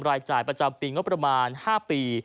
รายจ่ายประจำปีงบประมาณ๕ปี